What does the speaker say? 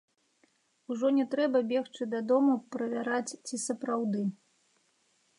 Ужо не трэба бегчы дадому правяраць, ці сапраўды.